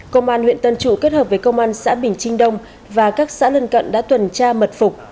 công an huyện tân trụ kết hợp với công an xã bình trinh đông và các xã lân cận đã tuần tra mật phục